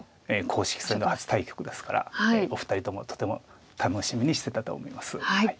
公式戦の初対局ですからお二人ともとても楽しみにしてたと思います。